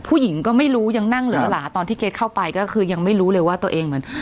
ผู้หญิงก็ไม่รู้ยังนั่งเหลือหลาตอนที่เกรทเข้าไปก็คือยังไม่รู้เลยว่าตัวเองเหมือน